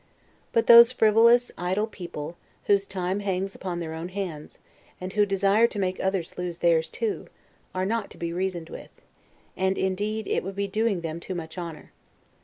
But those frivolous, idle people, whose time hangs upon their own hands, and who desire to make others lose theirs too, are not to be reasoned with: and indeed it would be doing them too much honor.